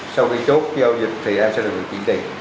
sau khi chốt giao dịch thì em sẽ được kiểm trị